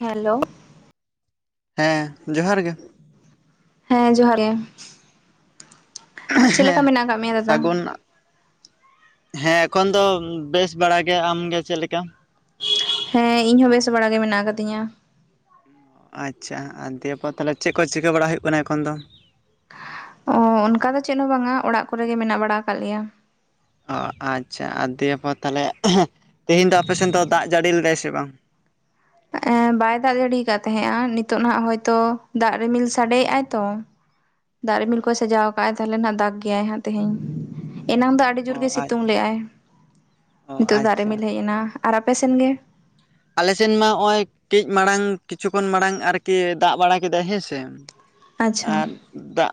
Hello ᱦᱮᱸ ᱡᱚᱦᱟᱨ ᱜᱮ ᱦᱮᱸ ᱡᱚᱦᱟᱨ ᱜᱮ ᱪᱮᱫ ᱦᱮᱸ ᱞᱮᱠᱟ ᱢᱮᱱᱟᱜ ᱟᱠᱟᱫ ᱢᱮᱭᱟ ᱫᱟᱫᱟ? ᱥᱟᱹᱜᱩᱱ ᱦᱮᱸ ᱮᱠᱷᱚᱱ ᱫᱚ ᱵᱮᱥ ᱵᱟᱲᱟ ᱜᱮ ᱟᱢᱜᱮ ᱪᱮᱫ ᱞᱮᱠᱟ ᱦᱮᱸ ᱤᱧ ᱦᱚᱸ ᱵᱮᱥ ᱵᱟᱲᱟ ᱜᱮ ᱢᱮᱱᱟᱜ ᱟᱠᱟᱫᱤᱧᱟ ᱟᱪᱪᱷᱟ ᱟᱨ ᱫᱤᱭᱮᱯᱚᱨ ᱛᱟᱦᱚᱞᱮ ᱪᱮᱫ ᱠᱚ ᱪᱤᱠᱟᱹ ᱵᱟᱲᱟ ᱦᱩᱭᱩᱜ ᱠᱟᱱᱟ ᱮᱠᱷᱚᱱ ᱫᱚ ᱚ ᱚᱱᱠᱟ ᱫᱚ ᱪᱮᱫ ᱦᱚᱸ ᱵᱟᱝᱟ ᱚᱲᱟᱜ ᱠᱚᱨᱮ ᱜᱮ ᱢᱮᱱᱟᱜ ᱵᱟᱲᱟ ᱟᱠᱟᱫ ᱞᱮᱭᱟ ᱚᱻ ᱟᱪᱪᱷᱟ ᱟᱨ ᱫᱤᱭᱮᱯᱚᱨ ᱛᱟᱦᱚᱞᱮ ᱛᱮᱦᱮᱧ ᱫᱚ ᱟᱯᱮ ᱥᱮᱱ ᱫᱚ ᱫᱟᱜ ᱡᱟᱹᱲᱤ ᱞᱮᱫᱟᱭ ᱥᱮ ᱵᱟᱝ ᱮ ᱵᱟᱭ ᱫᱟᱜ ᱡᱟ. ᱲᱤᱭ ᱠᱟᱜ ᱛᱟᱦᱮᱸᱫᱼᱟ ᱱᱤᱛᱚᱜ ᱱᱟᱜ ᱦᱚᱭᱛᱚ ᱫᱟᱜ ᱨᱤᱢᱤᱞ ᱥᱟᱰᱮᱜ-ᱟ ᱛᱚ ᱫᱟᱜ ᱨᱤᱢᱤᱞ ᱠᱚᱭ ᱥᱟᱡᱟᱣ ᱟᱠᱟᱫ ᱟᱭ ᱛᱟᱦᱚᱞᱮ ᱦᱟᱜ ᱫᱟᱜ ᱜᱮᱭᱟᱭ ᱦᱟᱸᱜ ᱛᱮᱦᱤᱧ ᱮᱱᱟᱝ ᱫᱚ ᱟᱹᱰᱤ ᱚ ᱡᱳᱨᱜᱮ ᱟᱪ ᱥᱤᱛᱩᱝ ᱞᱮᱫᱟᱭ ᱚ ᱱᱤᱛᱚᱜ ᱫᱟᱜ ᱟᱪᱪᱷᱟ ᱨᱤᱢᱤᱞ ᱦᱮᱡ ᱮᱱᱟ ᱟᱨ ᱟᱯᱮ ᱥᱮᱱ ᱜᱮ ᱟᱞᱮ ᱥᱮᱱ ᱢᱟ ᱱᱚᱜ ᱚᱭ ᱠᱟᱹᱡ ᱢᱟᱲᱟᱝ ᱠᱤᱪᱷᱩ ᱠᱷᱚᱱ ᱢᱟᱲᱟᱝ ᱟᱨᱠᱤ ᱫᱟᱜ ᱵᱟᱲᱟ ᱠᱮᱫᱟᱭ ᱦᱮᱸᱥᱮ ᱟᱪᱪᱷᱟ ᱟᱨ ᱫᱟᱜ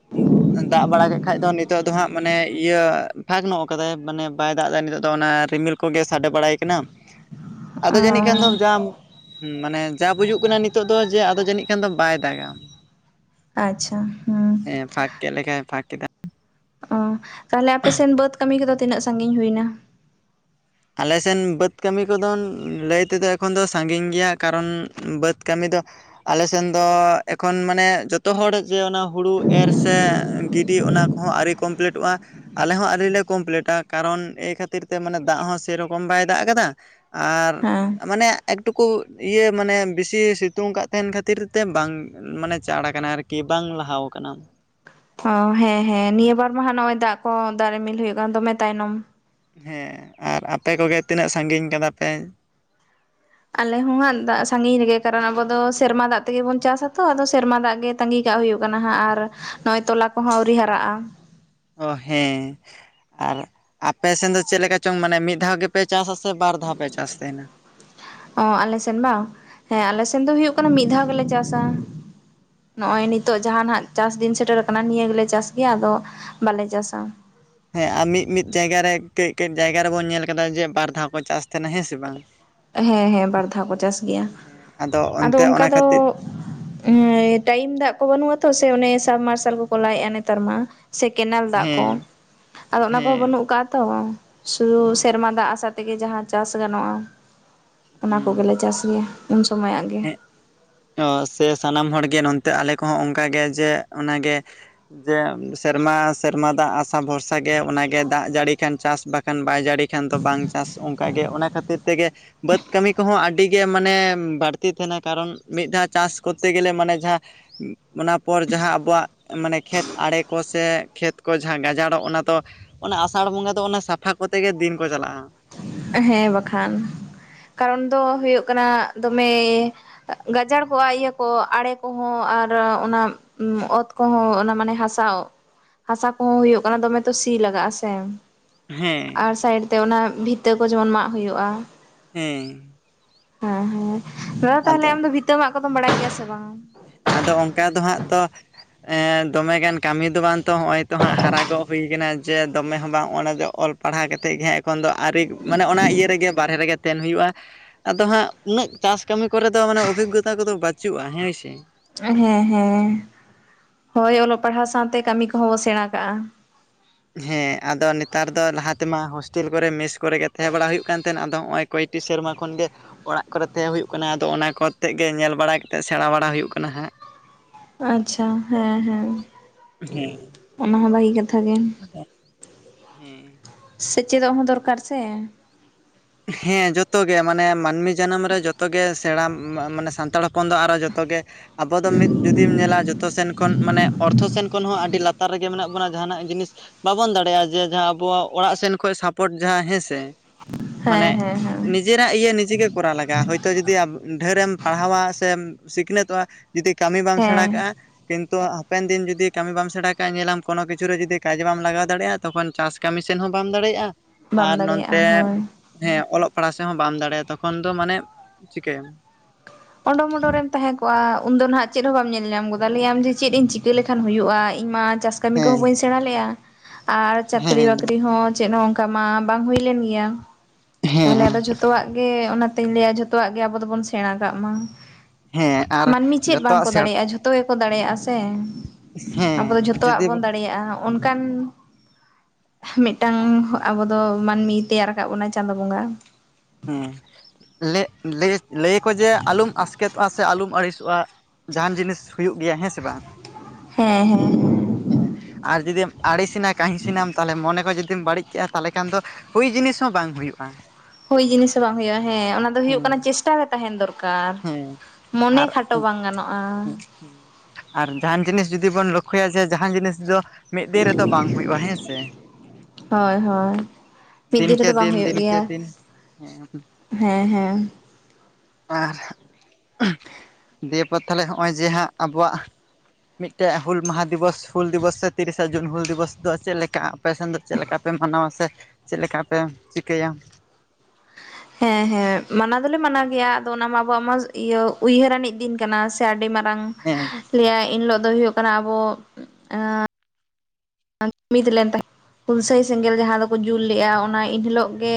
ᱫᱟᱜ ᱵᱟᱲᱟ ᱠᱮᱫ ᱠᱷᱟᱡ ᱫᱚ ᱱᱤᱛᱚᱜ ᱫᱚ ᱦᱟᱸᱜ ᱢᱟᱱᱮ ᱤᱭᱟᱹ ᱯᱷᱟᱠ ᱧᱚᱜ ᱠᱟᱫᱟᱭ ᱢᱟᱱᱮ ᱵᱟᱭ ᱫᱟᱜ ᱮᱫᱟ ᱱᱤᱛᱚᱜ ᱫᱚ ᱚᱱᱟ ᱨᱤᱢᱤᱞ ᱠᱚ ᱜᱮ ᱥᱟᱰᱮ ᱵᱟᱲᱟᱭ ᱠᱟᱱᱟ᱾ ᱟᱫᱚ ᱡᱟᱹᱱᱤᱡ ᱠᱷᱟᱱ ᱫᱚ ᱡᱟᱢ ᱚᱸᱻ᱾ ᱢᱟᱱᱮ ᱡᱟ ᱵᱩᱡᱩᱜ ᱠᱟᱱᱟ ᱱᱤᱛᱚᱜ ᱫᱚ ᱡᱮ ᱟᱫᱚ ᱡᱟᱹᱱᱤᱡ ᱠᱷᱟᱱ ᱫᱚ ᱵᱟᱭ ᱫᱟᱜᱟ᱾ ᱟᱪᱪᱷᱟ ᱦᱩᱸ᱾ ᱦᱮᱸ ᱯᱷᱟᱸᱠ ᱠᱮᱫ ᱞᱮᱠᱟᱭ ᱯᱷᱟᱸᱠ ᱠᱮᱫᱟ᱾ ᱚᱸ ᱛᱟᱦᱞᱮ ᱟᱯᱮ ᱥᱮᱱ ᱵᱟᱹᱫ ᱠᱟᱹᱢᱤ ᱠᱚᱫᱚ ᱛᱤᱱᱟᱹᱜ ᱥᱟᱺᱜᱤᱧ ᱦᱩᱭ ᱱᱟ? ᱟᱞᱮ ᱥᱮᱱ ᱵᱟᱹᱫᱽ ᱠᱟᱹᱢᱤ ᱠᱚᱫᱚ ᱞᱟᱹᱭ ᱛᱮᱫᱚ ᱮᱠᱷᱚᱱ ᱫᱚ ᱥᱟᱺᱜᱤᱧ ᱜᱮᱭᱟ, ᱠᱟᱨᱚᱱ ᱵᱟᱹᱫᱽ ᱠᱟᱹᱢᱤ ᱫᱚ ᱟᱞᱮ ᱥᱮᱱ ᱫᱚ ᱮᱠᱷᱚᱱ ᱢᱟᱱᱮ ᱡᱚᱛᱚ ᱦᱚᱲ ᱡᱮ ᱚᱱᱟ ᱦᱩᱲᱩ ᱮᱨ ᱥᱮ ᱜᱤᱰᱤ ᱚᱱᱟ ᱦᱚᱸ ᱟᱹᱣᱨᱤ ᱠᱚᱢᱯᱞᱤᱴᱚᱜᱼᱟ ᱾ ᱟᱞᱮ ᱦᱚᱸ ᱟᱹᱣᱨᱤᱞᱮ ᱠᱚᱢᱯᱞᱤᱴᱟ ᱠᱟᱨᱚᱱ ᱮᱹᱭ ᱠᱷᱟᱹᱛᱤᱨ ᱛᱮ ᱢᱟᱱᱮ ᱫᱟᱜ ᱦᱚᱸ ᱥᱮᱹᱭ ᱨᱚᱠᱚᱢ ᱵᱟᱭ ᱫᱟᱜ ᱠᱟᱫᱟ ᱟᱨ ᱦᱮᱸ ᱢᱟᱱᱮ ᱮᱠᱴᱩᱠᱩ ᱤᱭᱟᱹ ᱢᱟᱱᱮ ᱵᱤᱥᱤ ᱥᱤᱛᱩᱝ ᱠᱟᱫ ᱛᱟᱦᱮᱱ ᱠᱷᱟᱹᱛᱤᱨ ᱛᱮ ᱵᱟᱝ ᱢᱟᱱᱮ ᱪᱟᱬ ᱟᱠᱟᱱᱟ ᱟᱨ ᱠᱤ ᱵᱟᱝ ᱞᱟᱦᱟᱣ ᱠᱟᱱᱟ᱾ ᱚ ᱦᱮᱸ ᱦᱮᱸ, ᱱᱤᱭᱟᱹ ᱵᱟᱨ ᱢᱟ ᱦᱟᱸᱜ ᱱᱚᱜᱼᱚᱭ ᱫᱟᱜ ᱠᱚ ᱫᱟᱜ ᱨᱤᱢᱤᱞ ᱦᱩᱭᱩᱜ ᱠᱟᱱ ᱫᱚᱢᱮ ᱛᱟᱭᱱᱚᱢ᱾ ᱦᱮᱸ, ᱟᱨ ᱟᱯᱮ ᱠᱚᱜᱮ ᱛᱤᱱᱟᱹᱜ ᱥᱟᱺᱜᱤᱧ ᱠᱟᱫᱟ ᱯᱮ? ᱟᱞᱮ ᱦᱚᱸ ᱦᱟᱸᱜ ᱫᱟᱜ ᱥᱟᱺᱜᱤᱧ ᱨᱮᱜᱮ, ᱠᱟᱨᱚᱱ ᱟᱵᱚ ᱫᱚ ᱥᱮᱨᱢᱟ ᱫᱟᱜ ᱛᱮᱜᱮ ᱵᱚᱱ ᱪᱟᱥᱟ ᱛᱚ ᱟᱫᱚ ᱥᱮᱨᱢᱟ ᱫᱟᱜ ᱜᱮ ᱛᱟᱺᱜᱤ ᱠᱟᱜ ᱦᱩᱭᱩᱜ ᱠᱟᱱᱟ ᱦᱟᱸᱜ ᱟᱨ ᱱᱚᱜᱼᱚᱭ ᱛᱚᱞᱟ ᱠᱚᱦᱚᱸ ᱟᱹᱣᱨᱤ ᱦᱟᱨᱟᱜᱼᱟ᱾ ᱚ ᱦᱮᱸ ᱟᱨ ᱟᱯᱮ ᱥᱮᱱ ᱫᱚ ᱪᱮᱫ ᱞᱮᱠᱟ ᱪᱚᱝ ᱢᱟᱱᱮ ᱢᱤᱫ ᱫᱷᱟᱣ ᱜᱮ ᱯᱮ ᱪᱟᱥᱟ ᱥᱮ ᱵᱟᱨ ᱫᱷᱟᱣ ᱯᱮ ᱪᱟᱥ ᱛᱟᱦᱮᱱᱟ? ᱚ ᱟᱞᱮ ᱥᱮᱱ ᱵᱟᱝ? ᱦᱮᱸ ᱟᱞᱮ ᱥᱮᱱ ᱫᱚ ᱦᱩᱭᱩᱜ ᱠᱟᱱᱟ ᱢᱤᱫ ᱫᱷᱟᱣ ᱜᱮᱞᱮ ᱪᱟᱥᱟ᱾ ᱱᱚᱸᱜ-ᱚᱭ ᱱᱤᱛᱚᱜ ᱡᱟᱦᱟᱸ ᱱᱟᱦᱟᱜ ᱪᱟᱥ ᱫᱤᱱ ᱥᱮᱴᱮᱨ ᱟᱠᱟᱱᱟ ᱱᱤᱭᱟᱹ ᱜᱮᱞᱮ ᱪᱟᱥ ᱜᱮᱭᱟ, ᱟᱫᱚ ᱵᱟᱞᱮ ᱪᱟᱥᱟ᱾ ᱦᱮᱸ ᱟᱨ ᱢᱤᱫ ᱢᱤᱫ ᱡᱟᱭᱜᱟ ᱨᱮ ᱠᱟᱹᱡ ᱠᱟᱹᱡ ᱡᱟᱭᱜᱟ ᱨᱮ ᱵᱚᱱ ᱧᱮᱞ ᱠᱟᱫᱟ ᱡᱮ ᱵᱟᱨ ᱫᱷᱟᱣ ᱠᱚ ᱪᱟᱥ ᱛᱟᱦᱮᱸᱱᱟ, ᱦᱮᱸ ᱥᱮ ᱵᱟᱝ? ᱦᱮᱸ ᱦᱮᱸ ᱵᱟᱨ ᱫᱷᱟᱣ ᱠᱚ ᱦᱮᱸ ᱪᱟᱥ ᱜᱮᱭᱟ, ᱦᱮᱸ ᱟᱫᱚ ᱚᱱᱛᱮ ᱚᱱᱠᱟ ᱚᱱᱟ ᱫᱚ ᱠᱷᱟᱹᱛᱤᱨ ᱮᱸᱭ ᱴᱟᱭᱤᱢ ᱫᱟᱜ ᱠᱚ ᱵᱟᱹᱱᱩᱜ ᱟᱛᱚ ᱥᱮ ᱚᱱᱮ ᱥᱟᱵᱼᱢᱟᱨᱥᱟᱞ ᱠᱚᱠᱚ ᱞᱟᱭᱮᱫᱼᱟ ᱱᱮᱛᱟᱨ ᱢᱟ᱾ ᱥᱮ ᱠᱮᱱᱟᱞ ᱫᱟᱜ ᱠᱚ᱾ ᱦᱮᱸ ᱟᱫᱚ ᱚᱱᱟ ᱠᱚᱦᱚᱸ ᱦᱮᱸ ᱵᱟᱹᱱᱩᱜ ᱠᱟᱜ-ᱟ ᱛᱚ, ᱥᱩᱫᱩ ᱥᱮᱨᱢᱟ ᱫᱟᱜ ᱟᱥᱟ ᱛᱮᱜᱮ ᱡᱟᱦᱟᱸ ᱪᱟᱥ ᱜᱟᱱᱚᱜᱼᱟ᱾ ᱚᱱᱟ ᱠᱚ ᱜᱮᱞᱮ ᱦᱩᱸ ᱪᱟᱥ ᱜᱮᱭᱟ, ᱩᱱ ᱥᱚᱢᱚᱭᱟᱜ ᱜᱮ᱾ ᱦᱮᱸ ᱚ ᱥᱮ ᱥᱟᱱᱟᱢ ᱦᱚᱲ ᱜᱮ ᱱᱚᱱᱛᱮ ᱟᱞᱮ ᱠᱚᱦᱚᱸ ᱚᱱᱠᱟ ᱜᱮ ᱡᱮ ᱚᱱᱟᱜᱮ ᱡᱮ ᱥᱮᱨᱢᱟ ᱥᱮᱨᱢᱟ ᱫᱟᱜ ᱟᱥᱟ ᱵᱷᱚᱨᱥᱟ ᱜᱮ ᱚᱱᱟᱜᱮ ᱫᱟᱜ ᱡᱟᱹᱲᱤ ᱠᱷᱟᱱ ᱪᱟᱥ ᱵᱟ ᱠᱷᱟᱱ ᱵᱟᱭ ᱡᱟᱹᱲᱤ ᱠᱷᱟᱱ ᱫᱚ ᱵᱟᱝ ᱪᱟᱥ ᱚᱱᱠᱟ ᱜᱮ, ᱚᱱᱟ ᱠᱷᱟᱹᱛᱤᱨ ᱛᱮᱜᱮ ᱵᱟᱹᱫᱽ ᱠᱟᱹᱢᱤ ᱠᱚᱦᱚᱸ ᱟᱹᱰᱤ ᱜᱮ ᱢᱟᱱᱮ ᱵᱟᱹᱲᱛᱤ ᱛᱟᱦᱮᱱᱟ, ᱠᱟᱨᱚᱱ ᱢᱤᱫ ᱫᱷᱟᱣ ᱪᱟᱥ ᱠᱳᱨᱛᱮ ᱜᱮᱞᱮ ᱢᱟᱱᱮ ᱡᱟᱦᱟᱸ ᱚᱱᱟ ᱯᱚᱨ ᱡᱟᱦᱟᱸ ᱟᱵᱚᱣᱟᱜ ᱢᱟᱱᱮ ᱠᱷᱮᱛ ᱟᱲᱮ ᱠᱚ ᱥᱮ ᱠᱷᱮᱛ ᱠᱚ ᱡᱟᱦᱟᱸ ᱜᱟᱡᱟᱲᱚᱜ ᱚᱱᱟ ᱫᱚ ᱚᱱᱟ ᱟᱥᱟᱲ ᱵᱚᱸᱜᱟ ᱫᱚ ᱚᱱᱟ ᱥᱟᱯᱷᱟ ᱠᱚᱛᱮ ᱜᱮ ᱫᱤᱱ ᱠᱚ ᱪᱟᱞᱟᱜᱼᱟ᱾ ᱦᱮᱸ ᱵᱟᱠᱷᱟᱱ, ᱠᱟᱨᱚᱱ ᱫᱚ ᱦᱳᱭᱳᱜ ᱠᱟᱱᱟ ᱫᱚᱢᱮᱭ ᱟᱜ ᱜᱟᱡᱟᱲ ᱠᱚᱜᱼᱟ ᱤᱭᱟᱹ ᱠᱚ ᱟᱲᱮ ᱠᱚᱦᱚᱸ ᱟᱨ ᱚᱱᱟ ᱩᱸ ᱚᱛ ᱠᱚᱦᱚᱸ ᱚᱱᱟ ᱢᱟᱱᱮ ᱦᱟᱥᱟ ᱦᱟᱥᱟ ᱠᱚᱦᱚᱸ ᱦᱳᱭᱳᱜ ᱠᱟᱱᱟ, ᱫᱚᱢᱮ ᱛᱚ ᱥᱤ ᱞᱟᱜᱟᱜᱼᱟ ᱥᱮ᱾ ᱟᱨ ᱦᱮᱸ ᱥᱟᱭᱤᱰ ᱛᱮ ᱚᱱᱟ ᱵᱷᱤᱛᱟᱹ ᱠᱚ ᱡᱮᱢᱚᱱ ᱢᱟᱜ ᱦᱩᱭᱩᱜᱼᱟ᱾ ᱦᱮᱸᱻ᱾ ᱚᱸ ᱦᱮᱸ ᱫᱟᱫᱟ ᱛᱟᱦᱚᱞᱮ ᱟᱫᱚ ᱟᱢ ᱫᱚ ᱵᱷᱤᱛᱟᱹ ᱢᱟᱜ ᱠᱚᱫᱚᱢ ᱵᱟᱲᱟᱭ ᱜᱮᱭᱟ ᱥᱮ ᱵᱟᱝ? ᱟᱫᱚ ᱚᱱᱠᱟ ᱫᱚ ᱦᱟᱸᱜ ᱛᱚ ᱮᱸ ᱫᱚᱢᱮ ᱜᱟᱱ ᱠᱟᱹᱢᱤ ᱫᱚ ᱵᱟᱝ ᱛᱚ ᱦᱚᱸᱜᱼᱚᱭ ᱛᱚ ᱦᱟᱸᱜ ᱦᱟᱨᱟ ᱜᱚᱜ ᱦᱩᱭ ᱠᱟᱱᱟ ᱡᱮ ᱫᱚᱢᱮ ᱦᱚᱸ ᱵᱟᱝ ᱚᱱᱟ ᱫᱚ ᱚᱞ ᱯᱟᱲᱦᱟᱣ ᱠᱟᱛᱮᱜ ᱜᱮ ᱦᱟᱸᱜ ᱛᱚᱠᱷᱚᱱ ᱫᱚ ᱟᱹᱣᱨᱤ, ᱢᱟᱱᱮ ᱚᱱᱟ ᱤᱭᱟᱹ ᱨᱮᱜᱮ ᱵᱟᱨᱦᱮ ᱨᱮᱜᱮ ᱛᱮᱱ ᱦᱩᱭᱩᱜᱼᱟ, ᱟᱫᱚ ᱦᱟᱸᱜ ᱩᱱᱟᱹᱜ ᱪᱟᱥ ᱠᱟᱹᱢᱤ ᱠᱚᱨᱮ ᱫᱚ ᱢᱟᱱᱮ ᱚᱵᱷᱤᱜᱜᱚᱛᱟ ᱠᱚᱫᱚ ᱵᱟᱹᱪᱩᱜᱼᱟ ᱦᱮᱸ ᱥᱮ᱾ ᱦᱮᱸ ᱦᱮᱸ, ᱦᱳᱭ ᱚᱞᱚᱜ ᱯᱟᱲᱦᱟᱣ ᱥᱟᱶᱛᱮ ᱠᱟᱹᱢᱤ ᱠᱚᱦᱚᱸ ᱵᱚ ᱥᱮᱬᱟ ᱠᱟᱜᱼᱟ᱾ ᱦᱮᱸ ᱟᱫᱚ ᱱᱮᱛᱟᱨ ᱫᱚ ᱞᱟᱦᱟ ᱛᱮᱢᱟ ᱦᱳᱥᱴᱮᱞ ᱠᱚᱨᱮ ᱢᱮᱥ ᱠᱚᱨᱮ ᱜᱮ ᱛᱟᱦᱮᱸ ᱵᱟᱲᱟ ᱦᱩᱭᱩᱜ ᱠᱟᱱ ᱛᱟᱦᱮᱸᱱ ᱟᱫᱚ ᱦᱚᱸᱜᱼᱚᱭ ᱠᱚᱭᱴᱤ ᱥᱮᱨᱢᱟ ᱠᱷᱚᱱ ᱜᱮ ᱚᱲᱟᱜ ᱠᱚᱨᱮ ᱛᱮᱦᱮ ᱦᱩᱭᱩᱜ ᱠᱟᱱᱟ ᱟᱫᱚ ᱚᱱᱟ ᱠᱚᱛᱮᱜ ᱜᱮ ᱧᱮᱞ ᱵᱟᱲᱟᱭ ᱠᱟᱛᱮᱜ ᱥᱮᱬᱟᱸ ᱵᱟᱲᱟ ᱦᱩᱭᱩᱜ ᱠᱟᱱᱟ ᱦᱟᱸᱜ᱾ ᱟᱪᱪᱷᱟ ᱦᱮᱸ ᱦᱮᱸ᱾ ᱦᱮᱸ᱾ ᱚᱱᱟ ᱦᱚᱸ ᱵᱷᱟᱹᱜᱤ ᱠᱟᱛᱷᱟ ᱜᱮ᱾ ᱦᱮᱸ᱾ ᱥᱮᱪᱮᱫᱚᱜ ᱦᱚᱸ ᱫᱚᱨᱠᱟᱨ ᱥᱮ᱾ ᱦᱮᱸ ᱡᱚᱛᱚ ᱜᱮ ᱢᱟᱱᱮ ᱢᱟᱹᱱᱢᱤ ᱡᱟᱱᱟᱢ ᱨᱮ ᱡᱚᱛᱚ ᱜᱮ ᱥᱮᱬᱟ ᱢᱟ-ᱢᱟᱱᱮ ᱥᱟᱱᱛᱟᱲ ᱦᱚ ᱯᱚᱱ ᱫᱚ ᱟᱨᱚ ᱡᱚᱛᱚ ᱜᱮ ᱟᱵᱚ ᱫᱚ ᱢᱤᱫ ᱡᱩᱫᱤᱢ ᱧᱮᱞᱟ ᱡᱚᱛᱚ ᱥᱮᱱ ᱠᱷᱚᱱ ᱢᱟᱱᱮ ᱚᱨᱛᱷᱚ ᱥᱮᱱ ᱠᱷᱚᱱ ᱦᱚᱸ ᱟᱹᱰᱤ ᱞᱟᱛ ᱛᱟᱨ ᱨᱮᱜᱮ ᱢᱮᱱᱟᱜ ᱵᱚᱱᱟ ᱡᱟᱦᱟᱱᱟᱜ ᱡᱤᱱᱤᱥ ᱵᱟᱵᱚᱱ ᱫᱟᱲᱮᱭᱟᱜᱼᱟ ᱡᱮ ᱡᱟᱦᱟᱸ ᱟᱵᱚᱣᱟᱜ ᱚᱲᱟᱜ ᱥᱮᱱ ᱠᱷᱚᱱ ᱥᱟᱯᱳᱴ ᱡᱟᱦᱟᱸ ᱦᱮᱸᱥᱮ᱾ ᱦᱮᱸ ᱢᱟᱱᱮ ᱦᱮᱸ ᱦᱮᱸ ᱱᱤᱡ ᱡᱮᱨᱟᱜ ᱤᱭᱟᱹ ᱱᱤᱡᱮ ᱜᱮ ᱠᱚᱨᱟᱣ ᱞᱟᱜᱟᱜᱼᱟ ᱦᱳᱭᱛᱳ ᱡᱩᱫᱤ ᱟᱵ ᱰᱷᱮᱨᱮᱢ ᱯᱟᱲᱦᱟᱣᱟ ᱥᱮᱢ ᱥᱤᱠᱷᱱᱟᱹᱛᱚᱜᱼᱟ ᱡᱩᱫᱤ ᱠᱟᱹᱢᱤ ᱵᱟᱢ ᱥᱮᱬᱟᱸ ᱦᱮᱸ ᱠᱟᱜᱼᱟ ᱠᱤᱱᱛᱩ ᱦᱟᱯᱮᱱ ᱫᱤᱱ ᱡᱩᱫᱤ ᱠᱟᱹᱢᱤ ᱵᱟᱢ ᱥᱮᱬᱟ ᱠᱟᱜᱼᱟ ᱧᱮᱞᱟᱢ ᱠᱚᱱᱳ ᱠᱤᱪᱷᱩ ᱨᱮ ᱡᱩᱫᱤ ᱠᱟᱡ ᱵᱟᱢ ᱞᱟᱜᱟᱣ ᱫᱟᱲᱮᱜᱼᱟ ᱛᱚᱠᱷᱚᱱ ᱪᱟᱥ ᱠᱟᱹᱢᱤ ᱥᱮᱱ ᱦᱚᱸ ᱵᱟᱢ ᱫᱟᱲᱮᱭᱟᱜ-ᱟ ᱵᱟᱢ ᱟᱨ ᱱᱚᱱᱛᱮ ᱫᱟᱲᱮᱭᱟᱜᱼᱟ ᱦᱳᱭ ᱦᱮᱸ ᱚᱞᱚᱜ ᱯᱟᱲᱦᱟᱣ ᱥᱮᱜ ᱦᱚᱸ ᱵᱟᱢ ᱫᱟᱲᱮᱭᱟᱜᱼᱟ ᱛᱚᱠᱷᱚᱱ ᱫᱚ ᱢᱟᱱᱮ ᱪᱤᱠᱟᱹᱭᱟᱢ? ᱚᱸᱰᱳ-ᱢᱳᱰᱳ ᱨᱮᱢ ᱛᱟᱦᱮᱸ ᱠᱚᱜᱼᱟ, ᱩᱱᱫᱚ ᱱᱟᱜ ᱪᱮᱫ ᱦᱚᱸ ᱵᱟᱢ ᱧᱮᱞ ᱧᱟᱢ ᱜᱚᱫᱟ ᱞᱟᱹᱭᱟᱢ ᱡᱮ ᱪᱮᱫ ᱤᱧ ᱪᱤᱠᱟᱹ ᱞᱮᱠᱷᱟᱱ ᱦᱩᱭᱩᱜᱼᱟ ᱤᱧᱢᱟ ᱪᱟᱥ ᱠᱟᱹᱢᱤ ᱦᱮᱸ ᱠᱚᱦᱚᱸ ᱵᱟᱹᱧ ᱥᱮᱬᱟᱸ ᱞᱮᱜ-ᱟ ᱟᱨ ᱪᱟᱹᱠᱨᱤ ᱦᱮᱸ ᱵᱟᱹᱠᱨᱤ ᱦᱚᱸ ᱪᱮᱫ ᱦᱚᱸ ᱚᱱᱠᱟ ᱢᱟ ᱵᱟᱝ ᱦᱩᱭᱞᱮᱱ ᱜᱮᱭᱟ᱾ ᱛᱟᱦᱚᱞᱮ ᱦᱮᱸ ᱟᱫᱚ ᱡᱷᱚᱛᱚᱣᱟᱜ ᱜᱮ ᱚᱱᱟᱛᱮᱧ ᱞᱟᱹᱭᱟ ᱡᱷᱚᱛᱚᱣᱟᱜ ᱜᱮ ᱟᱵᱚ ᱫᱚᱵᱚᱱ ᱥᱮᱬᱟᱸ ᱠᱟᱜ ᱢᱟ᱾ ᱦᱮᱸ ᱟᱨ ᱢᱟᱹᱱᱢᱤ ᱪᱮᱫ ᱡᱚᱛᱚᱣᱟᱜ ᱵᱟᱝᱠᱚ ᱥᱮᱬ ᱫᱟᱲᱮᱭᱟᱜᱼᱟ ᱡᱷᱚᱛᱚ ᱜᱮᱠᱚ ᱫᱟᱲᱮᱭᱟᱜᱼᱟ ᱥᱮ᱾ ᱟᱵᱚ ᱦᱮᱸ ᱫᱚ ᱡᱷᱚᱛᱚᱣᱟᱜ ᱡᱩᱫᱤ ᱵᱚᱱ ᱫᱟᱲᱮᱭᱟᱜᱼᱟ ᱦᱚᱸᱜ᱾ ᱚᱱᱠᱟᱱ ᱢᱤᱫᱴᱟᱝ ᱟᱵᱚ ᱫᱚ ᱢᱟᱹᱱᱢᱤ ᱛᱮᱭᱟᱨ ᱟᱠᱟᱫ ᱵᱚᱱᱟ᱾ ᱪᱟᱸᱫᱚ ᱵᱚᱸᱝᱜᱟ᱾ ᱦᱮᱸ ᱞᱮ-ᱞᱮ-ᱞᱟᱹᱭᱟᱠᱚ ᱡᱮ ᱟᱞᱚᱢ ᱟᱥᱠᱮᱛᱚᱜᱼᱟ ᱥᱮ ᱟᱞᱚᱢ ᱟᱹᱲᱤᱥᱚᱜᱼᱟ᱾ ᱡᱟᱦᱟᱱ ᱡᱤᱱᱤᱥ ᱦᱩᱭᱩᱜ ᱜᱮᱭᱟ ᱦᱮᱸ ᱥᱮ ᱵᱟᱝ᱾ ᱦᱮᱸ ᱦᱮᱸ ᱦᱮᱸ᱾ ᱦᱮᱸ ᱟᱨ ᱡᱩᱫᱤᱢ ᱟᱲᱤᱥᱤᱱᱟ ᱠᱟᱹᱦᱤᱥᱤᱱᱟᱢ ᱛᱟᱦᱚᱞᱮ ᱢᱚᱱᱮ ᱠᱚ ᱡᱩᱫᱤᱢ ᱵᱟᱹᱲᱤᱡ ᱠᱮᱜᱼᱟ ᱛᱟᱦᱚᱞᱮ ᱠᱷᱟᱱ ᱫᱚ ᱦᱩᱭ ᱡᱤᱱᱤᱥ ᱦᱚᱸ ᱵᱟᱝ ᱦᱩᱭᱩᱜᱼᱟ᱾ ᱦᱩᱭ ᱡᱤᱱᱤᱥ ᱦᱚᱸ ᱵᱟᱝ ᱦᱳᱭᱳᱼᱟ ᱦᱮᱸ ᱚᱱᱟ ᱫᱚ ᱦᱩᱭᱩᱜ ᱠᱟᱱᱟ ᱪᱮᱥᱴᱟ ᱠᱟ ᱛᱟᱦᱮᱱ ᱫᱚᱨᱠᱟᱨ, ᱦᱮᱸ ᱢᱚᱱᱮ ᱟᱨ ᱠᱷᱟᱴᱚ ᱵᱟᱝ ᱜᱟᱱᱚᱜᱼᱟ᱾ ᱟᱨ ᱡᱟᱦᱟᱱ ᱡᱤᱱᱤᱥ ᱡᱩᱫᱤ ᱵᱚᱱ ᱞᱚᱠᱠᱷᱚᱭᱟ ᱡᱮ ᱡᱟᱦᱟᱱ ᱡᱤᱱᱤᱥ ᱫᱚ ᱢᱤᱫ ᱫᱤᱱ ᱨᱮᱫᱚ ᱵᱟᱝ ᱦᱩᱭᱩᱜᱼᱟ ᱦᱮᱸ ᱥᱮ᱾ ᱦᱳᱭ ᱦᱳᱭ ᱢᱤᱫ ᱫᱤᱱ ᱠᱮ ᱨᱮᱫᱚ ᱵᱟᱝ ᱫᱤᱱ ᱦᱩᱭᱩᱜ ᱫᱤᱱ ᱠᱮ ᱜᱮᱭᱟ ᱫᱤᱱ ᱦᱮᱸ᱾ ᱦᱮᱸ ᱦᱮᱸ᱾ ᱟᱨ ᱫᱮᱯᱚᱨ ᱛᱟᱦᱚᱞᱮ ᱦᱚᱜᱼᱚᱭ ᱡᱮ ᱦᱟᱸᱜ ᱟᱵᱚᱣᱟᱜ ᱢᱤᱫᱴᱮᱱ ᱦᱩᱞ ᱢᱟᱦᱟ ᱫᱤᱵᱚᱥ ᱦᱩᱞ ᱫᱤᱵᱚᱥ ᱥᱮ ᱛᱤᱨᱤᱥᱟ ᱡᱩᱱ ᱦᱩᱞ ᱫᱤᱵᱚᱥ ᱫᱚ ᱪᱮᱫ ᱞᱮᱠᱟ? ᱟᱯᱮ ᱥᱮᱫ ᱫᱚ ᱪᱮᱫ ᱞᱮᱠᱟ ᱯᱮ ᱢᱟᱱᱟᱣᱟ ᱥᱮ ᱪᱮᱫ ᱞᱮᱠᱟ ᱯᱮ ᱪᱤᱠᱟᱹᱭᱟ? ᱦᱮᱸ ᱦᱮᱸ ᱢᱟᱱᱟᱣ ᱫᱚᱞᱮ ᱢᱟᱱᱟᱣ ᱜᱮᱭᱟ ᱟᱫᱚ ᱚᱱᱟ ᱢᱟ ᱟᱵᱚᱣᱟᱜ ᱢᱟᱥ ᱤᱭᱟᱹ ᱩᱭᱦᱟᱹᱨᱱᱤᱡ ᱫᱤᱱ ᱠᱟᱱᱟ ᱥᱮ ᱟᱹᱰᱤ ᱢᱟᱨᱟᱝ ᱦᱮᱸ ᱞᱟᱹᱭᱟ ᱤᱱᱦᱤᱞᱳᱜ ᱫᱚ ᱦᱩᱭᱩᱜ ᱠᱟᱱᱟ ᱟᱵᱚ ᱮᱸᱜ [unintelligible] ᱢᱤᱫ ᱞᱮᱱ ᱛᱟᱦᱮᱸᱫ ᱦᱩᱞᱥᱟᱹᱭ ᱥᱮᱸᱜᱮᱞ ᱡᱟᱦᱟᱸ ᱫᱚᱠᱚ ᱡᱩᱞ ᱞᱮᱫᱜᱼᱟ ᱚᱱᱟ ᱮᱱ ᱦᱤᱞᱳᱜ ᱜᱮ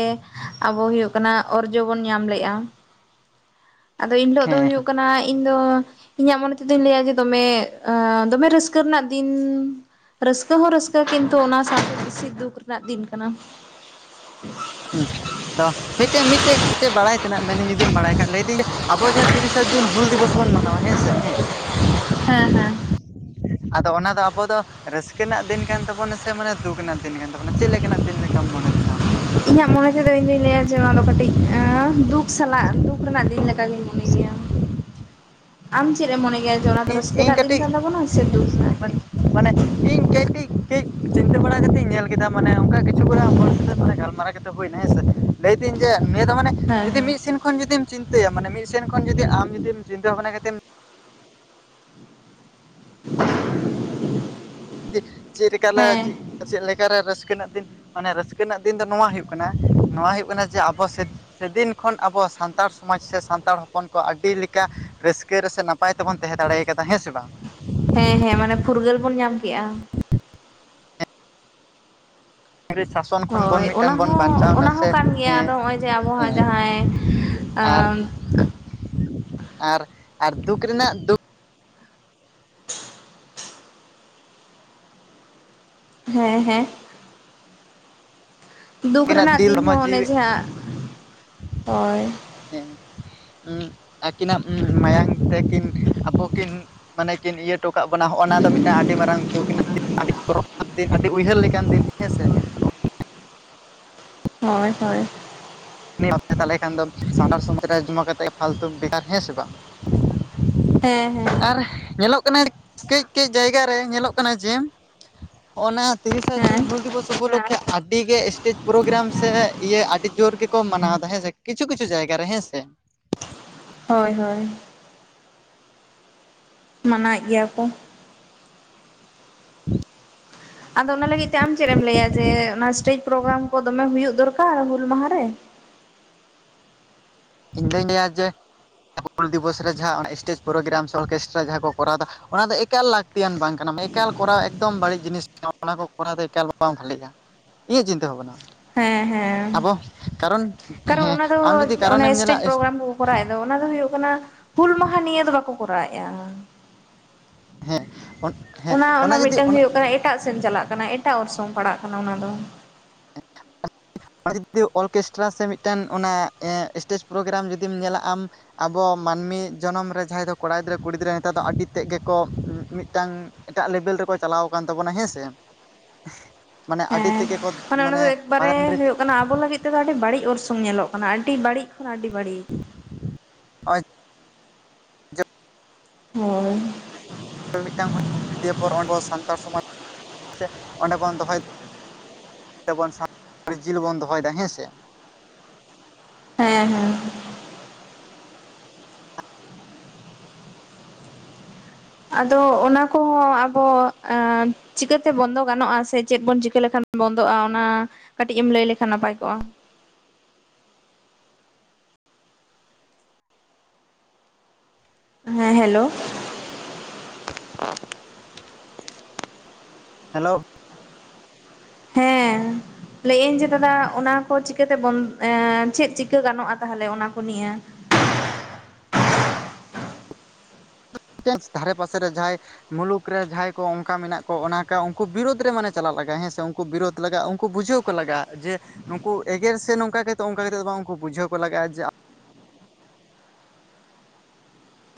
ᱟᱵᱚ ᱦᱩᱭᱩᱜ ᱠᱟᱱᱟ ᱚᱨᱡᱚ ᱵᱚᱱ ᱧᱟᱢ ᱞᱮᱫᱼᱟ᱾ ᱟᱫᱚ ᱤᱱᱦᱤᱞᱳᱜ ᱫᱚ ᱦᱮᱸ ᱦᱩᱭᱩᱜ ᱠᱟᱱᱟ ᱤᱧ ᱫᱚ ᱤᱧᱟᱹᱜ ᱢᱚᱱᱮ ᱛᱮᱫᱚᱧ ᱞᱟᱹᱭᱟ ᱡᱮ ᱫᱚᱢᱮ ᱫᱚᱢᱮ ᱨᱟᱹᱥᱠᱟᱹ ᱨᱮᱱᱟᱜ ᱫᱤᱱ᱾ ᱨᱟᱹᱥᱠᱟᱹ ᱦᱚᱸ ᱨᱟᱹᱥᱠᱟᱹ ᱠᱤᱱᱛᱩ ᱚᱱᱟ ᱥᱟᱶᱛᱮ ᱵᱮᱥᱤ ᱫᱩᱠ ᱨᱮᱱᱟᱜ ᱫᱤᱱ ᱠᱟᱱᱟ᱾ ᱦᱩᱸ ᱟᱫᱚ ᱢᱤᱫᱴᱮᱱ ᱢᱤᱫᱴᱮᱡ ᱢᱤᱫᱴᱮᱡ ᱵᱟᱲᱟᱭ ᱛᱮᱱᱟᱜ ᱢᱮᱱᱤᱧ ᱡᱩᱫᱤᱢ ᱵᱟᱲᱟᱭ ᱠᱷᱟᱱ ᱞᱟᱹᱭ ᱫᱟᱹᱧ ᱟᱵᱚ ᱡᱟᱦᱟᱸ ᱛᱤᱨᱤᱥᱟ ᱡᱩᱱ ᱦᱩᱞ ᱫᱤᱵᱚᱥ ᱵᱚᱱ ᱢᱟᱱᱟᱣᱟ ᱦᱮᱸᱥᱮ ᱦᱮᱸ ᱦᱮᱸ ᱦᱮᱸ ᱟᱫᱚ ᱚᱱᱟ ᱫᱚ ᱟᱵᱚ ᱫᱚ ᱨᱟᱹᱥᱠᱟᱹ ᱨᱮᱱᱟᱜ ᱫᱤᱱ ᱠᱟᱱ ᱛᱟᱵᱚᱱᱟ ᱥᱮ ᱢᱟᱱᱮ ᱫᱩᱠ ᱨᱮᱱᱟᱜ ᱫᱤᱱ ᱠᱟᱱ ᱛᱟᱵᱚᱱᱟ ᱪᱮᱫ ᱞᱮᱠᱟᱱᱟᱜ ᱫᱤᱱ ᱞᱮᱠᱟᱢ ᱢᱚᱱᱮ ᱛᱟᱦᱮᱱᱟ ᱟᱢ ᱫᱚ᱾ ᱤᱧᱟᱹᱜ ᱢᱚᱱᱮ ᱛᱮᱫᱚ ᱤᱧ ᱫᱩᱧ ᱞᱟᱹᱭᱟ ᱡᱮ ᱱᱚᱣᱟ ᱫᱚ ᱠᱟᱹᱴᱤᱡ ᱫᱩᱠ ᱥᱟᱞᱟᱜ ᱫᱩᱠ ᱨᱮᱱᱟᱜ ᱫᱤᱱ ᱞᱮᱠᱟᱜᱤᱧ ᱢᱚᱱᱮ ᱜᱮᱭᱟ᱾ ᱟᱢ ᱪᱮᱫ ᱮᱢ ᱢᱚᱱᱮ ᱜᱮᱭᱟ ᱡᱮ ᱚᱱᱟ ᱫᱚ ᱤᱧ ᱨᱟᱹᱥᱠᱟᱹ ᱤᱧ ᱨᱮᱱᱟᱜ ᱫᱤᱱ ᱠᱟᱹᱴᱤᱡ ᱠᱟᱱ ᱛᱟᱵᱚᱱᱟ ᱥᱮ ᱫᱩᱠ ᱨᱮᱱᱟᱜ ᱫᱤᱱ᱾ ᱢᱟᱱᱮ ᱢᱟᱱᱮ ᱪᱮᱧ- ᱠᱟᱹᱡ ᱠᱟᱹᱡ ᱠᱟᱹᱡ ᱪᱤᱱᱛᱟᱹ ᱵᱟᱲᱟ ᱠᱟᱛᱮ ᱤᱧ ᱧᱮᱞ ᱠᱮᱫᱟ ᱢᱟᱱᱮ ᱚᱱᱠᱟ ᱠᱤᱪᱷᱩ ᱠᱚᱨᱟ ᱦᱚᱲ ᱥᱟᱛᱮ ᱢᱟᱱᱮ ᱜᱟᱞᱢᱟᱨᱟᱣ ᱠᱟᱛᱮ ᱦᱩᱭᱱᱟ ᱦᱮᱸ ᱥᱮ ᱞᱟᱹᱭ ᱫᱤᱧ ᱡᱮ ᱱᱤᱭᱟᱹ ᱫᱚ ᱢᱟᱱᱮ ᱦᱮᱸ ᱡᱩᱫᱤ ᱦᱮᱸ ᱢᱤᱫ ᱥᱮᱱ ᱠᱷᱚᱱ ᱡᱩᱫᱤᱢ ᱪᱤᱱᱛᱟᱹᱭᱟ ᱢᱟᱱᱮ ᱢᱤᱫ ᱥᱮᱱ ᱠᱷᱚᱱ ᱡᱩᱫᱤ ᱟᱢ ᱡᱩᱫᱤᱢ ᱪᱤᱱᱛᱟᱹ ᱵᱷᱟᱵᱱᱟ ᱠᱟᱛᱮᱢ [unintelligible] ᱪᱮᱫ ᱞᱮᱠᱟᱞᱮ ᱦᱮᱸ ᱪᱤ- ᱪᱮᱫ ᱞᱮᱠᱟᱨᱮ ᱨᱟᱹᱥᱠᱟᱹ ᱨᱮᱱᱟᱜ ᱫᱤᱱ ᱢᱟᱱᱮ ᱨᱟᱹᱥᱠᱟᱹ ᱨᱮᱱᱟᱜ ᱫᱤᱱ ᱫᱚ ᱱᱚᱣᱟ ᱦᱩᱭᱩᱜ ᱠᱟᱱᱟ ᱱᱚᱣᱟ ᱦᱩᱭᱩᱜ ᱠᱟᱱᱟ ᱡᱮ ᱟᱵᱚ ᱥᱮᱫᱤᱱ ᱠᱷᱚᱱ ᱟᱵᱚ ᱥᱟᱱᱛᱟᱲ ᱥᱚᱢᱟᱡᱽ ᱥᱮ ᱥᱟᱱᱛᱟᱲ ᱦᱚᱯᱚᱱ ᱠᱚ ᱟᱹᱰᱤ ᱞᱮᱠᱟ ᱨᱟᱹᱥ- ᱠᱟᱹ ᱨᱮᱥᱮ ᱱᱟᱯᱟᱭ ᱛᱮᱵᱚᱱ ᱛᱟᱦᱮᱸ ᱫᱟᱲᱮᱭᱟ ᱠᱟᱫᱟ ᱦᱮᱸ ᱥᱮ ᱵᱟᱝ? ᱦᱮᱸ ᱦᱮᱸ ᱢᱟᱱᱮ ᱯᱷᱩᱨᱜᱟᱹᱞ ᱵᱚᱱ ᱧᱟᱢ ᱠᱮᱜ-ᱟ᱾ ᱤᱝᱨᱮ ᱥᱟᱥᱚ- ᱦᱳᱭ ᱚᱱᱟ ᱦᱚᱸ ᱚᱱᱟ ᱦᱚᱸ ᱠᱟᱱ ᱜᱮᱭᱟ ᱟᱫᱚ ᱦᱮᱸ ᱱᱚᱜ-ᱚᱭ ᱡᱮ ᱟᱵᱚᱣᱟᱜ ᱦᱮᱸ ᱡᱟᱦᱟᱸᱭ ᱟᱨ ᱟᱢ ᱟᱨ ᱟᱨ ᱫᱩᱠ ᱨᱮᱱᱟᱜ ᱫᱩᱠ ᱦᱮᱸ ᱦᱮᱸ ᱫᱩᱠ ᱟᱹᱠᱤᱱᱟᱜ ᱨᱮᱱᱟᱜ ᱫᱤᱞ ᱫᱤᱱ ᱦᱚᱲᱢᱚ ᱦᱚᱸ ᱚᱱᱮ ᱡᱤᱣᱤ ᱡᱟᱦᱟ ᱦᱳᱭ᱾ [unintelligible] ᱟᱹᱠᱤᱱᱟᱜ ᱢᱟᱭᱟᱝ ᱛᱮᱠᱤᱱ ᱟᱵᱚ ᱠᱤᱱ ᱢᱟᱱᱮ ᱠᱤᱱ ᱤᱭᱟᱹ ᱴᱚ ᱠᱟᱜ ᱵᱚᱱᱟ ᱦᱚᱜ-ᱱᱟ ᱫᱚ ᱢᱤᱫᱴᱟᱝ ᱟᱹᱰᱤ ᱢᱟᱨᱟᱝ ᱫᱩᱠ ᱨᱮᱱᱟ [inaudible] ᱟᱹᱰᱤ ᱩᱭᱦᱟᱹᱨ ᱞᱮᱠᱟᱱ ᱫᱤᱱ ᱦᱮᱸᱥᱮ ᱦᱚᱭ ᱦᱚᱭ ᱩᱱᱤ [inaudible] ᱛᱟᱦᱮᱞᱮ ᱠᱷᱟᱱ ᱫᱚ ᱥᱟᱱᱛᱟᱲ ᱥᱚᱢᱟᱡᱽ ᱨᱮ ᱡᱚᱢᱟ ᱠᱟᱛᱮ ᱯᱷᱟᱞᱛᱩ ᱵᱮᱠᱟᱨ ᱦᱮᱸ ᱥᱮ ᱵᱟᱝ? ᱦᱮᱸ ᱦᱮᱸ ᱟᱨ ᱧᱮᱞᱚᱜ ᱠᱟᱱᱟ ᱠᱟᱹᱡ ᱠᱟᱹᱡ ᱡᱟᱭᱜᱟ ᱨᱮ ᱧᱮᱞᱚᱜ ᱠᱟᱱᱟ ᱡᱮᱢ᱾ ᱚᱱᱟ ᱛᱤᱨᱤᱥᱟ ᱡᱩᱱ ᱦᱮᱸ ᱦᱩᱞ ᱫᱤᱵᱚᱥ ᱩᱯᱚᱞᱚᱠᱷᱮ ᱟᱹᱰᱤ ᱜᱮ ᱮᱥᱴᱮᱡᱽ ᱯᱨᱳᱜᱨᱟᱢ ᱥᱮ ᱤᱭᱟᱹ ᱟᱹᱰᱤ ᱡᱳᱨ ᱜᱮ ᱠᱚ ᱢᱟᱱᱟᱣ ᱫᱟ ᱦᱮᱸ ᱥᱮ ᱠᱤᱪᱷᱩ ᱠᱤᱪᱷᱩ ᱡᱟᱭᱜᱟ ᱨᱮ ᱦᱮᱸ ᱥᱮ᱾ ᱦᱚᱭ ᱦᱚᱭ ᱢᱟᱱᱟᱭᱮᱫ ᱜᱮᱭᱟ ᱠᱚ᱾ [unintelligible] ᱟᱫᱚ ᱚᱱᱟ ᱞᱟᱹᱜᱤᱫ ᱛᱮ ᱟᱢ ᱪᱮᱫ ᱮᱢ ᱞᱟᱹᱭᱟ ᱡᱮ ᱚᱱᱟ ᱮᱥᱴᱮᱡᱽ ᱯᱨᱳᱜᱨᱟᱢ ᱠᱚ ᱫᱚᱢᱮ ᱦᱩᱭᱩᱜ ᱫᱚᱨᱠᱟᱨ ᱦᱩᱞ ᱢᱟᱦᱟ ᱨᱮ? ᱤᱧ ᱫᱩᱧ ᱞᱟᱹᱭᱟ ᱡᱮ ᱦᱩᱞ ᱫᱤᱵᱚᱥ ᱨᱮ ᱡᱟᱦᱟᱸ ᱚᱱᱟ ᱮᱥᱴᱮᱡᱽ ᱯᱨᱳᱜᱨᱟᱢ ᱥᱮ ᱚᱨᱠᱮᱥᱴᱨᱟ ᱡᱟᱦᱟᱸ ᱠᱚ ᱠᱚᱨᱟᱣᱫᱟ ᱚᱱᱟ ᱫᱚ ᱮᱠᱟᱞ ᱞᱟᱹᱠᱛᱤᱭᱟᱱ ᱵᱟᱝ ᱠᱟᱱᱟ ᱮᱠᱟᱞ ᱠᱚᱨᱟᱣ ᱮᱠᱫᱚᱢ ᱵᱟᱹᱲᱤᱡ ᱡᱤᱱᱤᱥ ᱠᱟᱱᱟ ᱚᱱᱟ ᱠᱚ ᱠᱚᱨᱟᱣ ᱫᱚ ᱮᱠᱟᱞ ᱵᱟᱝ ᱵᱷᱟᱹᱞᱤᱜ-ᱟ᱾ ᱤᱧᱟᱹᱜ ᱪᱤᱱᱛᱟᱹ ᱵᱷᱟᱵᱚᱱᱟ ᱦᱮᱸ ᱦᱮᱸ ᱟᱵᱚ ᱠᱟᱨᱚᱱ ᱠᱟᱨᱚᱱ ᱦᱮᱸ ᱚᱱᱟ ᱫᱚ ᱟᱢ ᱡᱩᱫᱤ ᱚᱱᱮ ᱠᱟᱨᱚᱱᱮᱢ ᱧᱮᱞᱟ ᱮᱥᱴᱮᱡᱽ ᱯᱨᱳᱜᱨᱟᱢ ᱠᱚᱠᱚ ᱠᱚᱨᱟᱣ ᱮᱫ ᱫᱚ ᱚᱱᱟ ᱫᱚ ᱦᱩᱭᱩᱜ ᱠᱟᱱᱟ ᱦᱩᱞ ᱢᱟᱦᱟ ᱱᱤᱭᱟᱹ ᱫᱚ ᱵᱟᱠᱚ ᱠᱚᱨᱟᱣᱮᱜ-ᱟ᱾ ᱦᱮᱸ ᱚᱱ ᱦᱮᱸ ᱚᱱᱟ ᱡᱩᱫᱤ ᱢᱤᱫᱴᱟᱝ ᱚᱱᱟ, ᱦᱩᱭᱩᱜ ᱠᱟᱱᱟ ᱮᱴᱟᱜ ᱥᱮᱫ ᱪᱟᱞᱟᱜ ᱠᱟᱱᱟ ᱮᱴᱟᱜ ᱚᱨᱥᱚᱝ ᱯᱟᱲᱟᱜ ᱠᱟᱱᱟ ᱚᱱᱟ ᱫᱚ᱾ [inaudible] [unintelligible] ᱡᱩᱫᱤ ᱚᱨᱠᱮᱥᱴᱨᱟ ᱥᱮ ᱢᱤᱫᱴᱟᱱ ᱚᱱᱮ ᱮᱸ ᱥᱴᱮᱡᱽ ᱯᱨᱳᱜᱨᱟᱢ ᱡᱩᱫᱤᱢ ᱧᱮᱞᱟ ᱟᱢ ᱟᱵᱚ ᱢᱟᱱᱢᱤ ᱡᱚᱱᱚᱢ ᱨᱮ ᱡᱟᱦᱟᱸᱭ ᱫᱚ ᱠᱚᱲᱟ ᱜᱤᱫᱽᱨᱟᱹ ᱠᱩᱲᱤ ᱜᱤᱫᱽᱨᱟᱹ ᱱᱮᱛᱟᱨ ᱫᱚ ᱟᱹᱰᱤ ᱛᱮᱫ ᱜᱮᱠᱚ ᱢᱤᱫᱴᱟᱝ ᱮᱴᱟᱜ ᱞᱮᱵᱮᱞ ᱨᱮᱠᱚ ᱪᱟᱞᱟᱣ ᱟᱠᱟᱱ ᱛᱟᱵᱚᱱᱟ ᱦᱮᱸ ᱥᱮ, ᱢᱟᱱᱮ ᱟᱹᱰᱤ ᱦᱮᱸ ᱛᱮᱜᱮ ᱠᱚ ᱢᱟᱱᱮ ᱚᱱᱟ ᱫᱚ ᱮᱠᱵᱟᱨᱮ ᱯᱟᱛᱟ ᱴᱟᱺᱰᱤ ᱨᱮ ᱦᱳᱭᱳᱜ ᱠᱟᱱᱟ ᱟᱵᱚ ᱞᱟᱹᱜᱤᱫ ᱛᱮᱫᱚ ᱟᱹᱰᱤ ᱵᱟᱹᱲᱤᱡ ᱚᱨᱥᱚᱝ ᱧᱮᱞᱚᱜ ᱠᱟᱱᱟ, ᱟᱹᱰᱤ ᱵᱟᱹᱲᱤᱡ ᱠᱷᱚᱱ ᱟᱹᱰᱤ ᱵᱟᱹᱲᱤᱡ᱾ [inaudible] ᱦᱳᱭ᱾ ᱢᱤᱫᱴᱟᱝ [unintelligible] ᱫᱤᱭᱮ ᱯᱚᱨ ᱟᱵᱚ ᱥᱟᱱᱛᱟᱲ ᱥᱚᱢᱟᱡᱽ ᱥᱮ ᱚᱸᱰᱮ ᱵᱚᱱ ᱫᱚᱦᱚᱭ ᱟᱵᱚᱱ [unintelligible] ᱡᱤᱞ ᱵᱚᱱ ᱫᱚᱦᱚᱭ ᱫᱟ ᱦᱮᱸ ᱥᱮ᱾ ᱦᱮᱸ ᱦᱮᱸ᱾ ᱟᱫᱚ ᱚᱱᱟ ᱠᱚᱦᱚᱸ ᱟᱵᱚ ᱪᱤᱠᱟᱹᱛᱮ ᱵᱚᱱᱫᱚ ᱜᱟᱱᱚᱜᱼᱟ ᱥᱮ ᱪᱮᱫ ᱵᱚᱱ ᱪᱤᱠᱟᱹ ᱞᱮᱠᱷᱟᱱ ᱵᱚᱱᱫᱚᱜᱼᱟ ᱚᱱᱟ ᱠᱟᱹᱴᱤᱡ ᱮᱢ ᱞᱟᱹᱭ ᱞᱮᱠᱷᱟᱱ ᱱᱟᱯᱟᱭ ᱠᱚᱜᱼᱟ᱾ ᱦᱮᱸ ᱦᱮᱞᱳ᱾ ᱦᱮᱞᱳ᱾ ᱦᱮᱸ ᱞᱟᱹᱭ ᱟᱹᱧ ᱡᱮ ᱫᱟᱫᱟ ᱚᱱᱟ ᱠᱚ ᱪᱤᱠᱟᱹ ᱛᱮ ᱵᱚᱱ ᱮᱸᱻ ᱪᱮᱫ ᱪᱤᱠᱟᱹ ᱜᱟᱱᱚᱜᱼᱟ ᱛᱟᱦᱚᱞᱮ ᱚᱱᱟ ᱠᱚ ᱱᱤᱭᱟᱹ? ᱴᱮᱸᱥ ᱫᱷᱟᱨᱮ ᱯᱟᱥᱮ ᱨᱮ ᱡᱟᱦᱟᱸᱭ ᱢᱩᱞᱩᱠ ᱨᱮ ᱡᱟᱦᱟᱸᱭ ᱠᱚ ᱚᱝᱠᱟ ᱢᱮᱱᱟᱜ ᱠᱚ, ᱚᱱᱟᱠᱟ ᱩᱝᱠᱩ ᱵᱤᱨᱩᱫᱽ ᱨᱮ ᱢᱟᱱᱮ ᱪᱟᱞᱟᱜ ᱞᱟᱜᱟᱭᱼᱟ ᱦᱮᱸ ᱥᱮ ᱩᱝ ᱠᱩ ᱵᱤᱨᱳᱫᱽ ᱞᱟᱜᱟᱜᱼᱟ, ᱩᱝᱠᱩ ᱵᱩᱡᱷᱟᱹᱣ ᱠᱚ ᱞᱟᱜᱟᱜᱼᱟ ᱡᱮ ᱱᱩᱝᱠᱩ ᱮᱜᱮᱨ ᱥᱮ ᱱᱚᱝᱠᱟ ᱠᱟᱛᱮ ᱚᱱᱠᱟ ᱠᱟᱛᱮ ᱫᱚ ᱵᱟᱝ, ᱩᱱᱠᱩ ᱵᱩᱡᱷᱟᱹᱣ ᱠᱚ ᱞᱟᱜᱟᱜᱼᱟ ᱡᱮ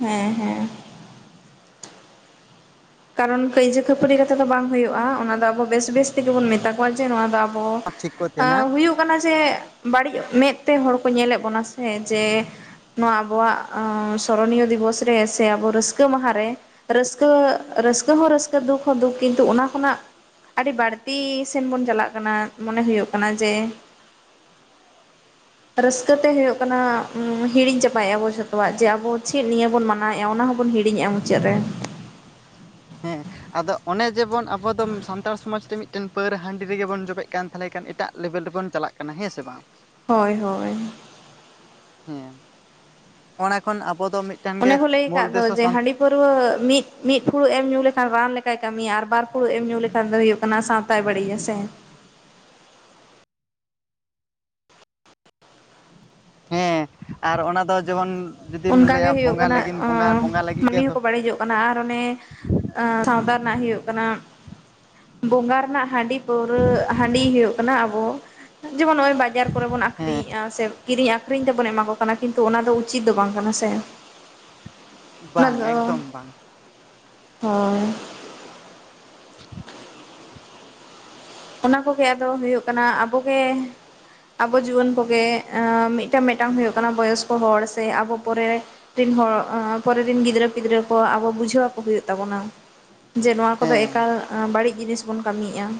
ᱦᱮᱸ ᱦᱮᱸ᱾ ᱠᱟᱨᱚᱱ ᱠᱟᱹᱭᱡᱟᱹ ᱠᱷᱟᱹᱯᱟᱹᱨᱤ ᱠᱟᱛᱮ ᱫᱚ ᱵᱟᱝ ᱦᱩᱭᱩᱜᱼᱟ᱾ ᱚᱱᱟ ᱫᱚ ᱟᱵᱚ ᱵᱮᱹᱥ ᱵᱮᱹᱥ ᱛᱮᱜᱮ ᱵᱚᱱ ᱢᱮᱛᱟ ᱠᱚᱣᱟ ᱡᱮ ᱱᱚᱣᱟ ᱫᱚ ᱟᱵᱚ ᱴᱷᱤᱠ ᱠᱚ ᱟᱸ ᱛᱟᱦᱮᱱᱟ ᱦᱩᱭᱩᱜ ᱠᱟᱱᱟ ᱡᱮ ᱵᱟᱹᱲᱤᱡ ᱢᱮᱫ ᱛᱮ ᱦᱚᱲ ᱠᱚ ᱧᱮᱞᱮᱫ ᱵᱚᱱᱟ ᱥᱮ ᱡᱮ ᱱᱚᱣᱟ ᱟᱵᱚᱣᱟᱜ ᱥᱚᱨᱚᱱᱤᱭᱚ ᱫᱤᱵᱚᱥ ᱨᱮ ᱥᱮ ᱟᱵᱚ ᱨᱟᱹᱥᱠᱟᱹ ᱢᱟᱦᱟ ᱨᱮ, ᱨᱟᱹᱥᱠᱟᱹ ᱨᱟᱹᱥᱠᱟᱹ ᱦᱚᱸ ᱨᱟᱹᱥᱠᱟᱹ, ᱫᱩᱠ ᱦᱚᱸ ᱫᱩᱠ ᱠᱤᱱᱛᱩ ᱚᱱᱟ ᱠᱷᱚᱱᱟᱜ ᱟᱹᱰᱤ ᱵᱟᱹᱲᱛᱤ ᱥᱮᱱ ᱵᱚᱱ ᱪᱟᱞᱟᱜ ᱠᱟᱱᱟ, ᱢᱚᱱᱮ ᱦᱩᱭᱩᱜ ᱠᱟᱱᱟ ᱡᱮ [inaudible] ᱨᱟᱹᱥᱠᱟᱹ ᱛᱮ ᱦᱩᱭᱩᱜ ᱠᱟᱱᱟ ᱦᱤᱲᱤᱧ ᱪᱟᱵᱟᱭᱮᱜᱼᱟ ᱵᱚ ᱡᱷᱚᱛᱚᱣᱟᱜ ᱡᱮ ᱟᱵᱚ ᱪᱮᱫ ᱱᱤᱭᱟᱹ ᱵᱚᱱ ᱢᱟᱱᱟᱣᱮᱜᱼᱟ ᱚᱱᱟ ᱦᱚᱸ ᱵᱚᱱ ᱦᱤᱲᱤᱧᱮᱜᱼᱟ ᱢᱩᱪᱟᱹᱫ ᱨᱮ᱾ ᱦᱮᱸ᱾ ᱟᱫᱚ ᱚᱱᱮ ᱡᱮᱵᱚᱱ ᱟᱵᱚ ᱫᱚᱢ ᱥᱟᱱᱛᱟᱲ ᱥᱚᱢᱟᱡᱽ ᱨᱮ ᱢᱤᱫᱴᱮᱱ ᱯᱟᱹᱣᱨᱟᱹ ᱦᱟᱺᱰᱤ ᱨᱮᱜᱮ ᱵᱚᱱ ᱡᱚᱵᱮᱜ ᱠᱟᱱ ᱛᱟᱦᱞᱮ ᱠᱷᱟᱱ ᱮᱴᱟᱜ ᱞᱮᱵᱮᱞ ᱨᱮᱵᱚᱱ ᱪᱟᱞᱟᱜ ᱠᱟᱱᱟ, ᱦᱮᱸ ᱥᱮ ᱵᱟᱝ? ᱦᱳᱭ ᱦᱳᱭ᱾ ᱦᱮᱸ, ᱚᱱᱟ ᱠᱷᱚᱱ ᱟᱵᱚ ᱫᱚ ᱢᱤᱫ ᱚᱱᱮ ᱠᱚ ᱞᱟᱹᱭ ᱟᱠᱟᱫ ᱫᱚ ᱡᱮ ᱦᱟᱺᱰᱤ ᱯᱟᱹᱨᱣᱟᱹ ᱢᱤᱫ ᱢᱤᱫ ᱯᱷᱩᱲᱩᱜ ᱮᱢ ᱧᱩ ᱞᱮᱠᱷᱟᱱ ᱨᱟᱱ ᱞᱮᱠᱟᱭ ᱠᱟᱹᱢᱤᱭᱟ ᱟᱨ ᱵᱟᱨ ᱯᱩᱷᱲᱩᱜ ᱮᱢ ᱧᱩ ᱞᱮᱠᱷᱟᱱ ᱫᱚ ᱦᱩᱭᱩᱜ ᱠᱟᱱᱟ ᱥᱟᱶᱛᱟᱭ ᱵᱟᱲᱤᱡᱟ ᱥᱮ᱾ ᱦᱮᱸ ᱟᱨ ᱚᱱᱟ ᱫᱚ ᱡᱮᱢᱚᱱ ᱡᱩᱫᱤᱢ ᱚᱱᱠᱟ ᱜᱮ ᱞᱟᱹᱭᱟ ᱦᱳᱭᱳᱜ ᱵᱚᱸᱜᱟ ᱠᱟᱱᱟ, ᱞᱟᱹᱜᱤᱫ ᱵᱚᱸᱜᱟ ᱚᱸ ᱵᱚᱸᱜᱟ ᱞᱟᱹᱜᱤᱫ ᱢᱟᱱᱢᱤ ᱜᱮ ᱫᱚ ᱦᱚᱸᱠᱚ ᱵᱟᱹᱲᱤᱡᱚᱜ ᱠᱟᱱᱟ ᱟᱨ ᱚᱱᱮ ᱥᱟᱶᱛᱟ ᱨᱮᱱᱟᱜ ᱦᱳᱭᱳᱜ ᱠᱟᱱᱟ ᱵᱚᱸᱜᱟ ᱨᱮᱱᱟᱜ ᱦᱟᱺᱰᱤ ᱯᱟᱹᱣᱨᱟᱹ, ᱦᱟᱺᱰᱤ ᱦᱩᱭᱩᱜ ᱠᱟᱱᱟ ᱟᱵᱚ ᱡᱮᱢᱚᱱ ᱱᱚᱜᱼᱚᱭ ᱵᱟ ᱡᱟᱨ ᱠᱚᱨᱮ ᱵᱚᱱ ᱦᱮᱸ ᱟᱠᱠᱷᱨᱤᱧᱮᱫᱼᱟ ᱥᱮ ᱠᱤᱨᱤᱧ ᱟᱠᱷᱨᱤᱧ ᱛᱮᱵᱚᱱ ᱮᱢᱟ ᱠᱚ ᱠᱟᱱᱟ, ᱠᱤᱱᱛᱩ ᱚᱱᱟ ᱫᱚ ᱩᱪᱤᱛ ᱫᱚ ᱵᱟᱝ ᱠᱟᱱᱟ ᱥᱮ, ᱚᱱᱟ ᱵᱟᱝ ᱫᱚ ᱮᱠᱫᱚᱢ ᱵᱟᱝ ᱦᱚᱭ ᱚᱱᱟ ᱠᱚᱜᱮ ᱟᱫᱚ ᱦᱳᱭᱳᱜ ᱠᱟᱱᱟ ᱟᱵᱚ ᱜᱮ ᱟᱵᱚ ᱡᱩᱣᱟᱹᱱ ᱠᱚᱜᱮ, ᱢᱤᱫᱴᱟᱝ ᱢᱤᱫᱴᱟᱝ ᱦᱩᱭᱩᱜ ᱠᱟᱱᱟ ᱵᱚᱭᱚᱥᱠᱚ ᱦᱚᱲ ᱥᱮ ᱟᱵᱚ ᱯᱚᱨᱮᱼᱼ ᱨᱮᱱ ᱦᱚᱲ ᱚ ᱯᱚᱨᱮ ᱨᱮᱱ ᱜᱤᱫᱽᱨᱟᱹ ᱯᱤᱫᱽᱨᱟᱹ ᱠᱚ ᱟᱵᱚ ᱵᱩᱡᱷᱟᱹᱣ ᱟᱠᱚ ᱦᱩᱭᱩᱜ ᱛᱟᱵᱚᱱᱟ ᱾ ᱡᱮ ᱱᱚᱣᱟ ᱠᱚᱫᱚ ᱦᱮᱸ ᱮᱠᱟᱞ ᱮ ᱵᱟᱹᱲᱤᱡ ᱡᱤᱱᱤᱥ ᱵᱚᱱ ᱠᱟᱹᱢᱤᱭᱮᱫᱼᱟ ᱾